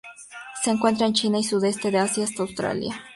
Se encuentra en China, y sudeste de Asia hasta Australia.